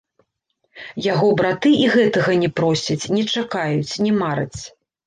Яго браты і гэтага не просяць, не чакаюць, не мараць.